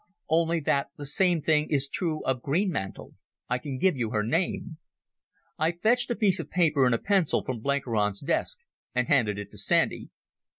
"Only that the same thing is true of Greenmantle. I can give you her name." I fetched a piece of paper and a pencil from Blenkiron's desk and handed it to Sandy.